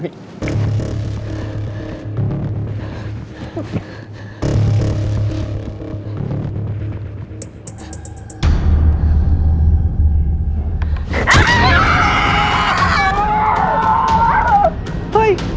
ช่วยด้วย